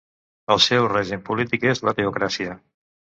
El seu règim polític és la teocràcia.